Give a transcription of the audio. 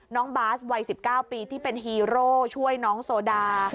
น้องบาสวัย๑๙ปีที่เป็นฮีโร่ช่วยน้องโซดา